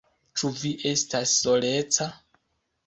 Ĉu vi estas soleca?